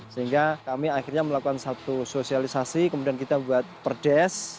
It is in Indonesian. sehingga kami akhirnya melakukan satu sosialisasi kemudian kita buat perdes